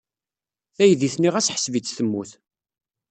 Taydit-nni ɣas ḥseb-itt temmut.